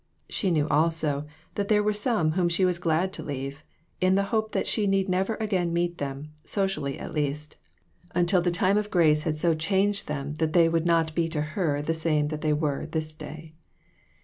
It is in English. She knew, also, that there were some whom she was glad to leave, in the hope that she need never again meet them, socially at least, until time or grace CHARACTER STUDIES. 2OQ had so changed them that they would not be to her the same that they were this day.